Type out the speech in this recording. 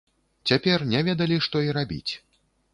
Цяпер не ведалі, што і рабіць.